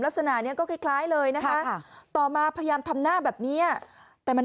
ลักษณะนี้ก็คล้ายเลยนะคะต่อมาพยายามทำหน้าแบบนี้แต่มัน